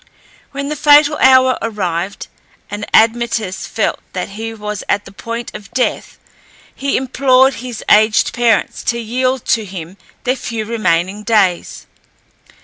When the fatal hour arrived, and Admetus felt that he was at the point of death, he implored his aged parents to yield to him their few remaining days.